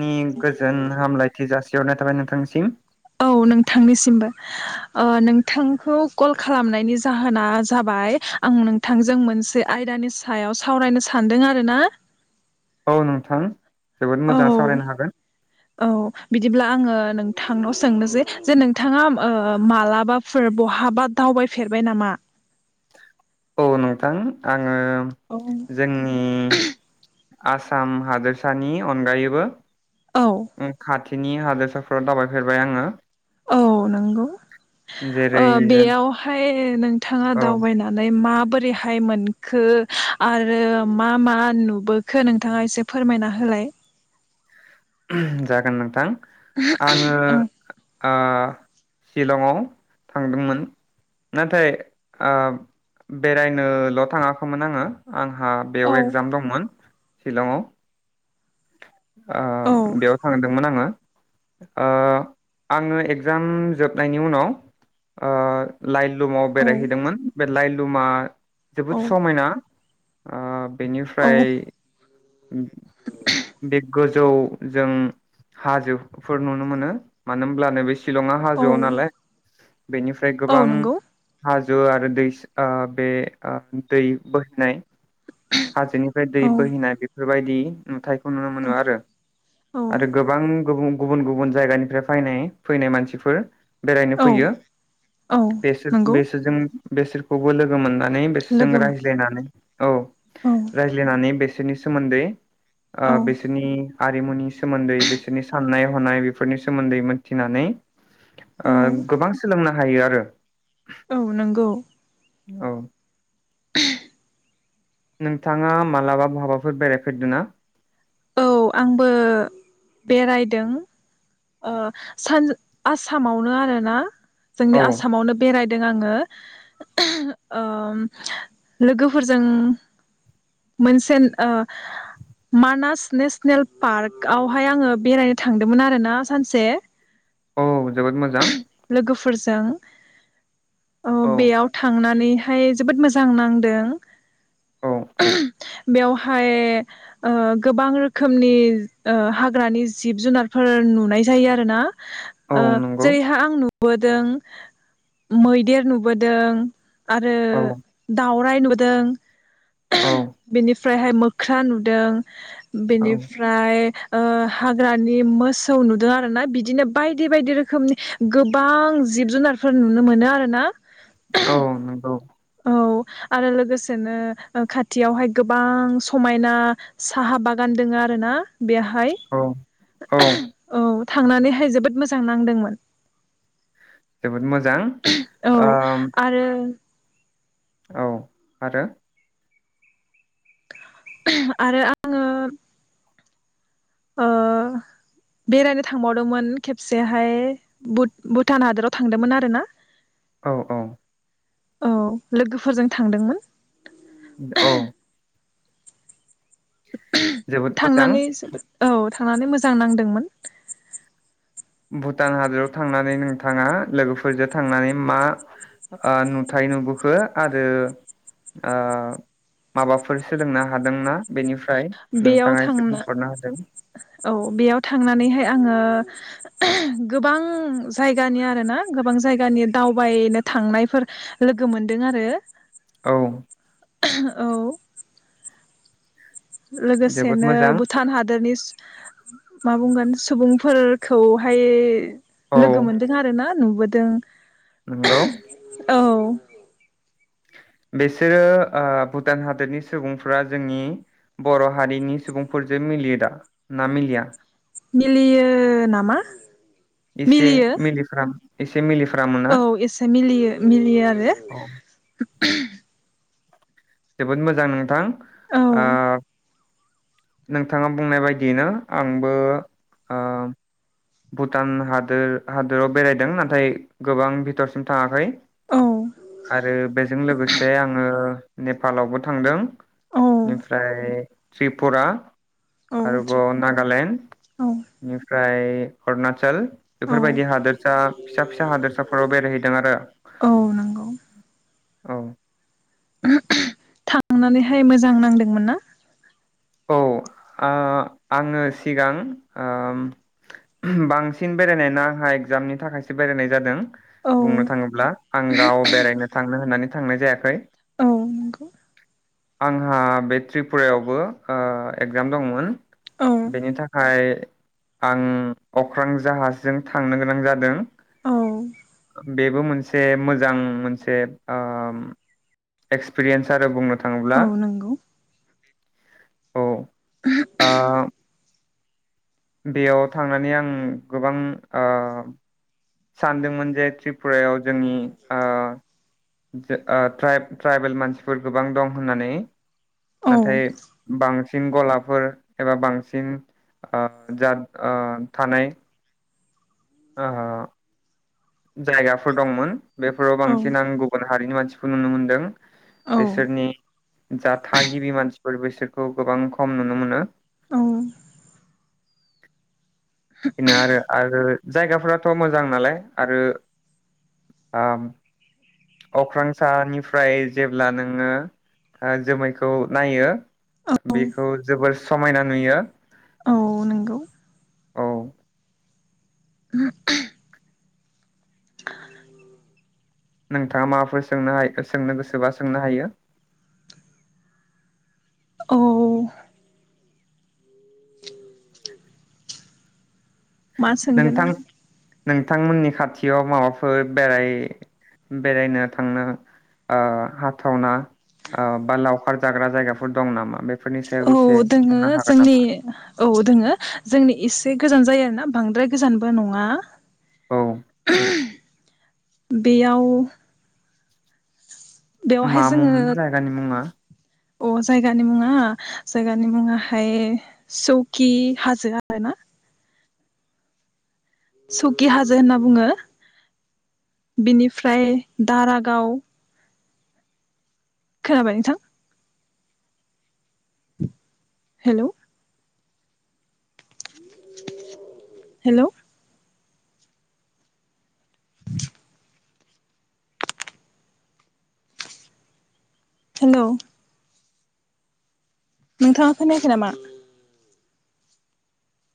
नि गोजोन हामलायथि जासिहरनायथ थाबाय नोंथांनिसिम औ नोंथांनिसिमबो ओ नोंथांखौ कल खालामनायनि जाहोना जाबाय आं नोंथांजों मोनसे आयदानि सायाव सावरायनो सानदों आरो ना औ नोंथां। जोबोद औ मोजां सावरायनो हागोन औ बिदिब्ला आङो नों थांनाव सोंनोसै जे नोंथाङा ओ मालाबाफोर बहाबा दावबायफेरबाय नामा? औ नोंथां आं ओ औ जोंनि आसाम हादोरसानि अनगायैबो। औ [unintelligible] [unintelligible] हादरसाफोराव दाबायफेरबाय आङो। औ नंगौ ओ जेरै जों बेयावहाय नोंथाङा औ दावबायनानै मा बोरैहाय मोनखो आरो मा मा नुबोखो नोंथाङा एसे फोरमायना होलाय। ओहुम जागोन नोंथां। आङो। औ ओ चिलंआव थांदोंमोन नाथाय ओ बेरायनोल' थाङाखैमोन आङो आंहा बेयाव एक्जाम दंमोन चिलंआव ओ औ बेयाव थांदोंमोन आङो ओ आङो एक्जाम जोबनायनि उनाव ओ लाइ [unintelligible] औ बेरायहैदोंमोन बे [unintelligible] दु मा जोबोद औ समायना। आ औ बेनिफ्राय उम बिग गस जौ जों हाजो फोर नुनो मोनो मानो होनब्ला नैबे चिलंआ औ हाजोआव नालाय बेनिफ्राय औ गोबां नंगौ हा जु आरो दै स ओ बे ओ दै बोहैनाय हाजोनिफ्राय दै औ बोहैनाय बेफ बेफोरबायदि नुथाय खौ नुनो औ मोनो आरो आरो औ गोबां गुबुं गुबुन गुबुन जायगानिफ्राय फैनाय फैनाय मानसिफोर बेरायनो औ फैयो औ बेसोर नंगौ बेसोरजों बेसोरखौबो लोगो मोनना नै बेसोरजों लोगोमोन रायज्लायनानै औ औ रायज्लायनानै बे जिनिस सोमोन्दै ओ औ बेसोनि आरिमुनि सोमोन्दै बिसोरनि साननाय हनाय बेफोरनि सोमोन्दै मोनथिनानै औ ओ गोबां सोलोंना हायो आरो । औ नंगौ औ [inaudible] नोंथाङा मालाबा बहाबाफोर बेरायफेरदोंना औ आंबो बेरायदों ओ सान आसामावनो आरोना जोंनि औ आसामावनो बेराय आङो ओम लोगोफोरजों मोनसेन‌ ओ मानास नेसनेल पार्कआवहाय आङो बेरायनो थांदोंमोन आरो ना सानसे औ जोबोद मोजां लोगोफोरजों अ औ बेयाव थांनानै बेहाय जोबोद मोजां नांदों औ [unintelligible] बेयावहाय ओ गोबां रोखोमनि ओ हाग्रानि जिब जुनारफोर नुनाय जायो आरोना औ नंगौ जेरैहा आंनु नुबोदों मैदेर नुबोदों आरो औ दाउ फ्राय नुदों औ बेनिफ्रायहाय मोख्रा नुदों औ बिनिफ्राय ओ हाग्रानि मोसौ नुदों आरो ना बिदिनो बायदि बायदि रो रोखोमनि गोबां जिब जुनारफोर नुनो मोनो आरो ना । औ नोंगौ औ आरो लोगोसेनो ओ‌ खाथिआवहाय गोबां समायना साहा बागान दोङो आरो ना बेहा औ [unintelligible] औ थांनानैहाय जोबोद मोजां नांदोंमोन । जोबोद मो मोजां ओ आरो औ आरो आरो आङो ओ बेरायनो थांबावदोंमोन खेबसेहाय भुट भुटान हादोराव थांदोंमोन आरोना । औ औ औ लोगोफोरजों थांदोंमोन। औ । जोबोद [unintelligible] मोजां थांनानै जोबोद औ। थांनानै मोजां नांदोंमोन। भुटान हादराव थांनानै नोंथाङा लोगोफोरजों थांनानै मा ओ नुथाय नुबोखो आरो ओ माबाफोर ओ सोलोंनो हादोंना बेनिफ्राय बेयाव नोंथाङा एसे थांना बुंहरनो हादों औ बेयाव थांनानैहाय आङो गोबां जायगानि आरो ना गोबां जायगानि दावबायनो थांनायफोर लोगो मोनदों आरो। औ। औ जोबोद लोगोसेनो मोजां भुटान हादोरनि। मा बुंगोन सुबुंफोरखौहाय। औ लोगो मोनदों आरोना। नुबोदों। नंगौ। औ। बेसोरो आ भुटान हादोरनि सुबुंफ्रा जोंनि बर' हारिनि सुबुंफोरजों मिलियो दा ना मिलिया? मिलियो नामा एसे मिलियो मिलिफ्राम एसे मिलिफ्रामो ना औ एसे मिलियो मिलियो आरो। औ जोबोद मोजां नोंथां औ ओ नोंथाङा बुंनाय बायदियैनो आंबो ओ भुटान हादोर हादोराव बेरायदों नाथाय गोबां भिथोरसिम थाङाखै औ आरो बेजों लोगोसे आङो नेपालावबो थांदों औ बेनिफ्राय त्रिपुरा आरोबाव औ औ नागालेण्ड फ्राय अरुणाचल औ बेफोरबायदि हादोरसा फिसा फिसा हादोरसा फोराव बेरायहैदों आरो औ नंगौ औ। थांनानैहाय मोजां नांदोंमोन ना? औ आ आङो सिगां ओ बांसिन बेरायना आंहा एगजामनि थाखायसो बेरायनाय जादों औ बुंनो थाङोब्ला आं गाव बेरायनो थांनो होननानै थांनाय जायाखै औ नंगौ आंहा बे त्रिपुरायावबो ओ एगजाम दंमोन औ बेनि थाखाय आं अख्रां जाहाजजों थांनो गोनां जादों औ बेबो मोनसे मोजां मोनसे ओ एक्सपिरियेन्स आरो बुंनो औ थाङोब्ला नंगौ औ आ बेयाव थांनानै आं गोबां आ सानदोंमोन जे त्रिपुरायाव जोंनि ओ ट्राइब ट्राइबेल मानसिफोर गोबां दं होननानै। औ नाथाय बांसिन गलाफोर एबा बांसिन आ जाद ओ थानाय। आ हा जायगाफोर दंमोन बेफोराव औ बांसिन आं गुबुन हारिनि मानसिफोर नुनो मोनदों औ बिसोरनि जा थागिबि मानसिफोर बेसोरखौ गोबां खम नुनो मोनो औ बेनो आरो आरो जायगाफोराथ मोजां नालाय आरो आ। अख्रांसानिफ्राय जेब्ला नोङो ओ जोमैखौ नायो बेखौ जोबोर समायना नुयो। औ नंगौ औ [inaudible] नोंथाङा माबाफोर सोंनोहाय सोंनो गोसोबा सोंनो हायो औ मा सोंगोन आं नोंथां नोंथांमोननि खाथियाव माबाफोर बेराय बेरायनो थांनो ओ हाथावना ओ बा लावखार जाग्रा जायगाफोर दं नामा बेफोरनि स औ दोङो जोंनि औ दोङो जोंनि एसे गोजान जायोनो आ बांद्राय गोजानबो नङा औ बेयाव बेवहाय मामुं जोङो उन जायगानि मुंङा अ जायगानि मुङा जायगानि मुंङाहाय सौकि हाजो आरो ना सकि हाजो होनना बुङो बिनिफ्राय दारागाव खोनाबाय नोंथां हेल [inaudible] हेल [inaudible] हेल नोंथांङा खोनायाखै नामा